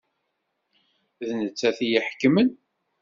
D nettat i iḥekmen.